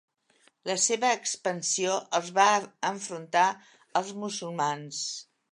La seva expansió els va enfrontar als musulmans.